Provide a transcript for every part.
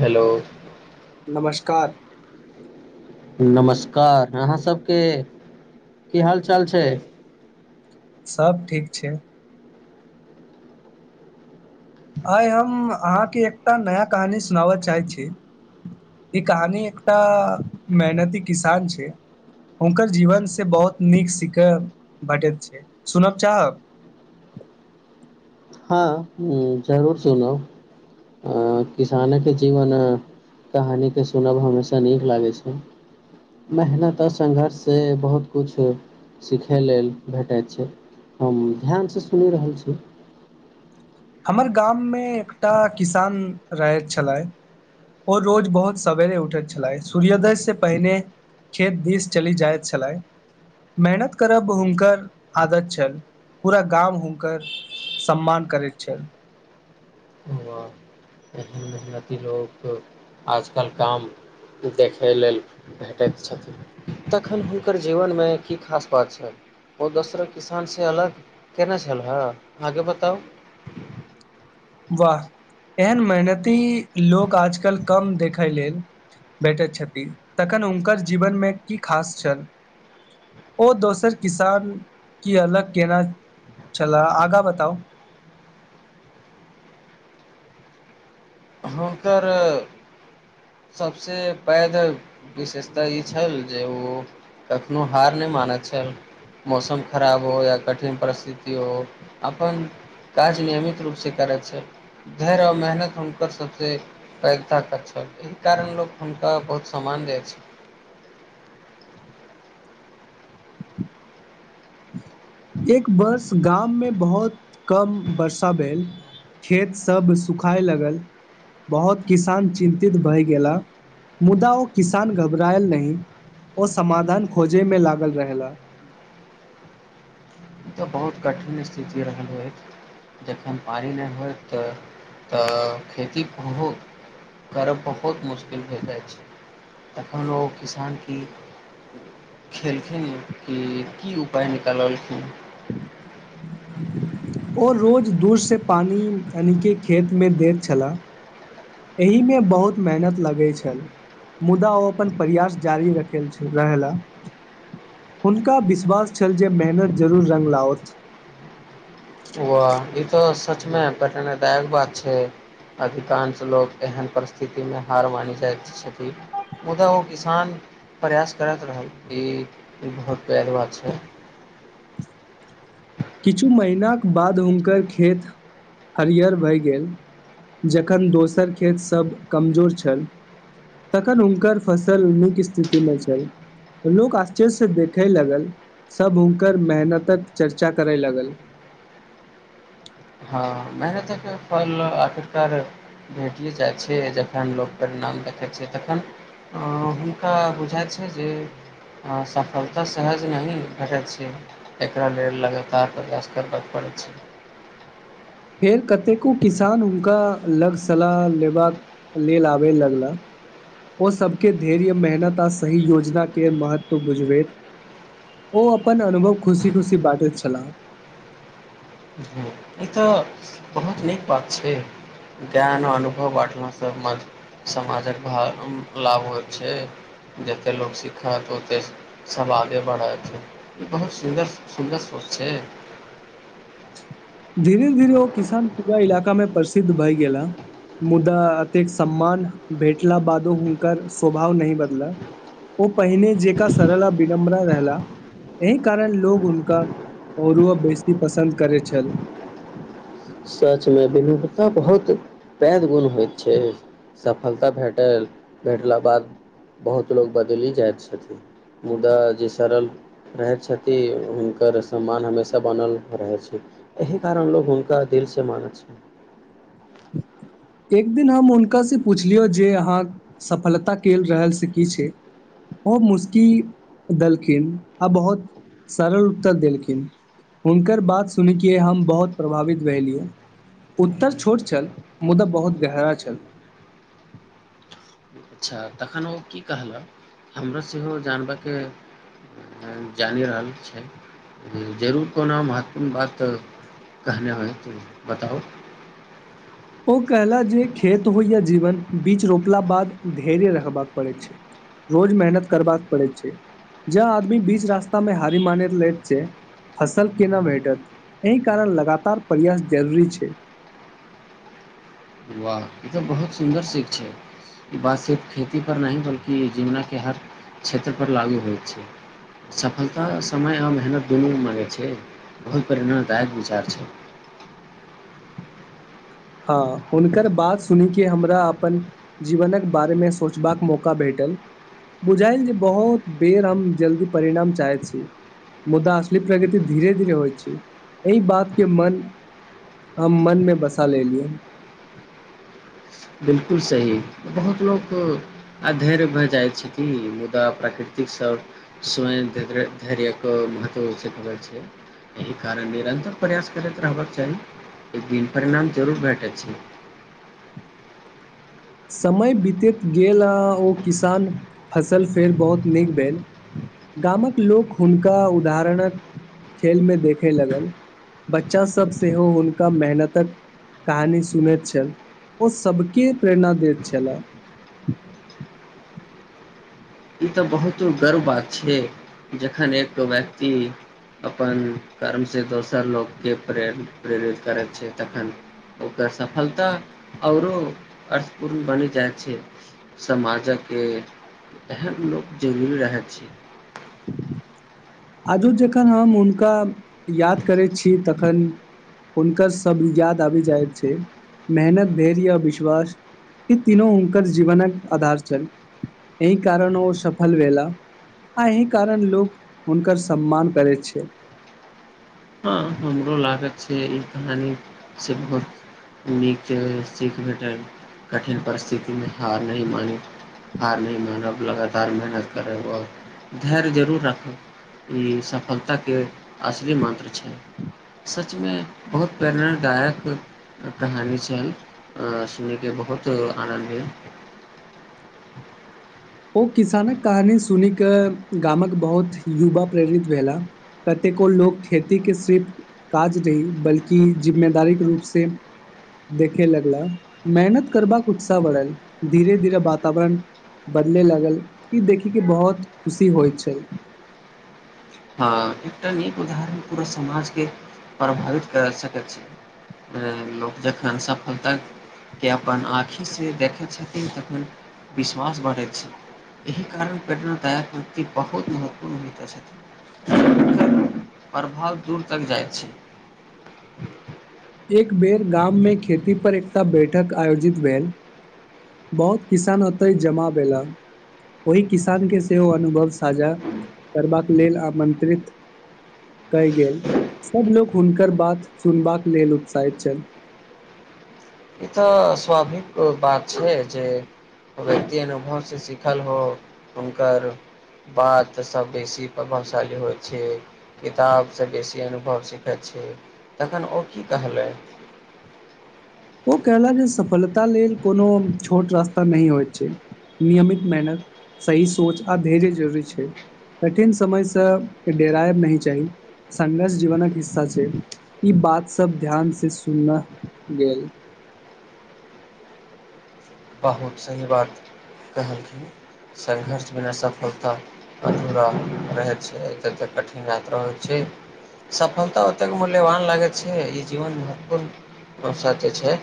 hello नमस्कार नमस्कार अहाँ सबकेँ की हाल चाल छैक सब ठीक छैक आइ हम अहाँके एकटा नया कहानी सुनाबय चाहैत छी ई कहानी एकटा मेहनती किसान केँ छैक हुनकर जीवनसँ बहुत नीक सिखय भेटैत सुनय चाहब हँ जरूर सुनब किसानकेँ जीवन कहानीकेँ सुनब हमेशा नीक लागैत छैक मेहनत आ संघर्षसँ बहुत किछु सिखय लेल भेटैत छैक हम ध्यानसँ सुनि रहल छी हमर गाममे एकटा किसान रहैत छलैथ ओ रोज बहुत सवेरे उठैत छलय सूर्योदय से पहिने खेत दिस चल जाइत छलैथ मेहनत करब हुनकर आदत छल पूरा गाम हुनकर सम्मान करैत छल उन्नति लोक आजकल काम देखै लेल भेटैत छथिन तखन हुनकर जीवनमे की खास बात छै ओ दोसर किसानसँ अलग केना छल से आगे बताउ वाह एहन मेहनती लोग आजकल कम देखय लेल भेठैत छथि तखन हुनकर जीवन मे की खास छल ओ दोसर किसान सँ अलग केना छलाह आगा बताउ हुनकर सबसँ पैघ विशेषता ई छल जे ओ कखनो हार नहि मानैत छलाह मौसम खराब हो या कठिन परिस्थिति हो अपन काज नियमित रूपसँ करैत छला धैर्य आओर मेहनत हुनकर पैघ ताकत छल एहि कारण लोक हुनका बहुत सम्मान दैत एक वर्ष गाममे बहुत कम वर्षा भेल खेतसभ सुखाए लागल बहुत किसान चिन्तित भय गेला मुदा ओ किसान घबरायल नहि ओ समाधान खोजयमे लागल रहला ई तऽ बहुत कठिन स्थिति रहल होइत जखन पानि नहि होइत तऽ खेती करब बहुत मुश्किल भ जाइत छैक तखन ओ किसान की खेलखिन कि उपाय निकाल लखिन ओ रोज दूर से पानि खेतमे दैत छलाह एहिमे बहुत मेहनत लगैत छल मुदा ओ अपन प्रयास जारी रखैत रहला हुनका विश्वास छल जे मेहनत जरूर रङ्ंग लाओथ वाह ई तऽ सचमे पटनेदायक बात छैक अधिकांश लोक एहन परिस्थितिमे हार मानि जाइत छथिन मुदा ओ किसान प्रयास करैत रहल ई बहुत पैघ बात छैक किछु महिनाक बाद हुनकर खेत हरियर भए गेल जखन दोसर खेतसभ कमजोर छल तखन हुनकर फसल नीक स्थितिमे छल लोक आश्चर्यसँ देखय लागल सभ हुनकर मेहनतक चर्चा करय लागल हँ मेहनतक फल आखिरकार भेटिए जाइत छैक जखन लोक परिणाम देखैत छैक तखन हुनका बुझाइत छैक जे सफलता सहज नहि भेटैत छैक एकरा लेल लगातार प्रयास करबय पड़ैत छैक फेर कतेको किसान हुनका लग सलाह लेबाक लेल आबय लगला ओ सभकेँ धैर्य मेहनत आ सही योजनाकेँ महत्व बुझबैत ओ अपन अनुभव खुशी खुशी बाँटैत छलाह हम्म, ई तऽ बहुत नीक बात छैक ज्ञान आ अनुभव बाँटलासँ समाजक लाभ होइत छैक जतेक लोक सीखत ओतेक सब आगे बढ़त ई बहुत सुन्दर सोच छै धीरे धीरे ओ किसान पूरा इलाकामे प्रसिद्ध भय गेला मुदा एतेक सम्मान भेटला बादो हुनकर स्वभाव नहि बदलल ओ पहिने जेका सरल आ विनम्र रहला एहि कारण लो हुनका और बेसी पसन्द करैत छल सचमे विनूता बहुत पैघ गुण होइत छैक सफलता भेटला बाद बहुत लोको बदलि जाइत छथिन मुदा जे सरल रहैत छथिन हुनकर सम्मान हमेशा बनल रहैत छैक एहि कारण लोको हुनका दिलसँ मानैत छी एक दिन हम हुनकासँ पुछलियौ जे अहाँ सफलता केल रहल से की छै ओ मुश्कि देलखिन आ बहुत सरल उत्तर देलखिन हुनकर बात सुनयकय हम बहुत प्रभावित भेलहुँ उत्तर छोट छल मुदा बहुत गहरा छल अच्छा तखन ओ की कहलक हमरा सेहो जानबयकेँ जानि रहल छैक जरूर कोनो महत्वपूर्ण बात कहने होयत बताउ ओ कहला जे खेत होइ या जीवन बीज रोपला बाद धैर्य रहबाक पड़ै छै रोज मेहनत करबाक पड़ै छै ज आदमी बीच रास्तामे हारी मान लैत छै फसल केना भेटत एहि कारण लगातार प्रयास जरूरी छै वाह ई तऽ बहुत सुन्दर सिख छै ई बात सिर्फ खेतीपर नहि बल्कि जीवनके हर क्षेत्रपर लागू होइ छै सफलता समय आ मेहनत दुनू माँगै छै बहुत प्रेरणादायक विचार छै हँ हुनकर बात सुन के हमरा अपन जीवनक बारेमे सोचबाक मौका भेटल बुझायल जे बहुत बेर हम जल्दी परिणाम चाहैत छी मुदा असली प्रगति धीरे धीरे होइत छै एहि बात के मन हम मन मे बस लेलियैय बिल्कुल सही बहुत लोक आधैर्य भऽ जाइ छथिन मुदा प्राकृतिक स स्वयं धैर्य क महत्व सिखबै छै एहि कारण निरन्तर प्रयास करैत रहबाक चाही एक दिन परिणाम जरूर भेटै छै समय बितैत गेल आ ओ किसान फसल फेर बहुत नीक भेल गामक लोक हुनका उदाहरणक खेलमे देखय लगल बच्चासभ सेहो हुनका मेहनतक कहानी सुनैत छल ओ सभके प्रेरणा देत छलाह ई तऽ बहुत गर्व बात छै जखन एक व्यक्ति अपन कर्मसँ दोसर लोककेँ प्रेर प्रेरित करै छै तखन ओकर सफलता आओरो अर्थपूर्ण बनि जाइ छै समाजक एहन लोक जरूरी रहैत छै आजो जखन हम हुनका याद करैत छी तखन हुनकर सभ याद आबि जाइत छै मेहनत धैर्य आ विश्वास ई तीनू हुनकर जीवनक आधार छनि एहि कारण ओ सफल भेलाह आ एहि कारण लोक हुनकर सम्मान करैत छै हँ हमरो लागत छै ई कहानी से बहुत नीक सीख भेटल कठिन परिस्थितिमे हार नहि मानी हार नहि मानब लगातार मेहनत करब आओर धैर्य जरूर राखब ई सफलताके असली मन्त्र छै सचमे बहुत प्रेरणादायक कहानी छनि आ सुनिके बहुत आनन्द ओ किसानक कहानी सुनि कऽ गामक बहुत युवा प्रेरित भेला कतेको लोक खेतीके सिर्फ काज रही बल्कि जिम्मेदारीक रूपसँ देखे लगला मेहनत करबाक उत्साह बढ़ल धीरे धीरे वातावरण बदले लागल ई देखी के बहुत खुशी होइ छै हँ एकटा नीक उदाहरण पूरा समाजके प्रभावित करि सकैत छै लोक जखन सफलताके अपन आँखिसँ देखैत छथिन तखन विश्वास बढ़ैत छै एहि कारण प्रेरणादायक‌उक्ति बहुत महत्वपूर्ण होइत छथिन प्रभाव दूर तक जाइ छै एक बेर गाम मे खेती पर एकटा बेठक आयोजित भेल बहुत किसान ओते जमा भेला ओहि किसान के सेहो अनुभव साझा करबाक लेल आमंत्रित कय गेल सब लोको हुनकर बात सुनबाक लेल उत्साहित छल ई तऽ स्वाभिक बात छै जे व्यक्ति अनुभवसँ सीखल हो हुनकर बातसँ बेसी प्रभावशाली होइ छै किताबसँ बेसी अनुभव सीखै छै तखन ओ की कहलै ओ कहलक जे सफलता लेल कोनो छोट रास्ता नहि होइत छै नियमित मेहनत सही सोच आ धैर्य जरूरी छै कठिन समयसँ डेरायब नहि चाही संघर्ष जीवनक हिस्सा छै ई बातसभ ध्यानसँ सुनना गेल बहुत सही बात कहलखिन संघर्ष बिना सफलता अधूरा रहै छै जतेक कठिन यात्रा होइ छै सफलता ओतेक मूल्यवान लागै छै ई जीवन महत्वपूर्ण अश जे छै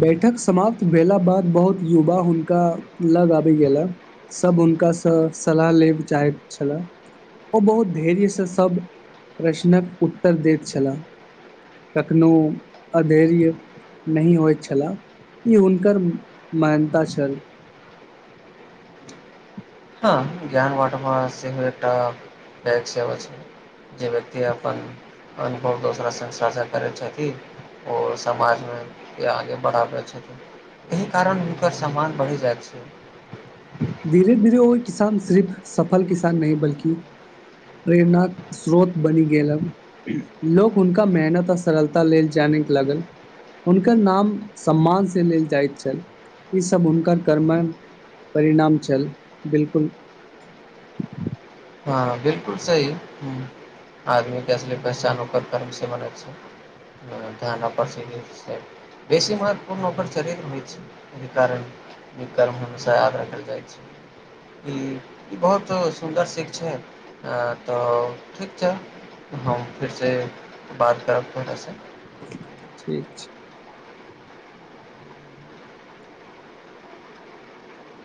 बेठक समाप्त भेला बाद बहुत युवा हुनका लग आबि गेला सभ हुनकासँ सलाह लेब चाहैत छलाह ओ बहुत धैर्यसँ सभ प्रश्नक उत्तर दैत छलाह कखनो अधैर्य नहि होइत छलाह ई हुनकर माहानता छल हँ ज्ञान बाटवा सेहो एकटा बैक सेबा छै जे व्यक्ति अपन अनुभव दोसरा संग साझा करै छथिन ओ समाजमे आगे बढ़ाबै छथिन एहि कारण हुनकर सम्मान बढ़ि जाइत छै धीरे धीरे ओ किसान सिर्फ सफल किसान नहि बल्कि प्रेरणाक स्रोत बनि गेल लोग हुनका मेहनत आ सरलता लेल जानै लागल हुनकर नाम सम्मान से लेल जाइत छल ई सब हुनकर कर्मन परिणाम छल बिल्कुल हँ बिल्कुल सही आदमीके असली पहचान ओकर कर्मसँ बनैत छै ध्यान बेसी महत्वपूर्ण ओकर चरित्र होइत छै एहि कारण ई कर्म हमेशा याद रखल जाइ छै ई ई बहुत सुन्दर से छै तऽ ठीक छै हम फिरसँ बात करब फुरस ठीक छै